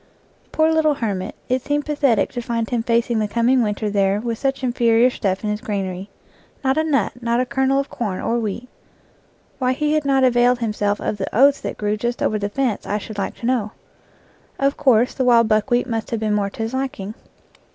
Poor little hermit, it seemed pathetic to find him facing the coming winter there with such inferior stuff in his granary. Not a nut, not a kernel of corn or wheat. Why he had not availed himself of the oats that grew just over the fence I should like to know. Of course, the wild buckwheat must have been more to his liking.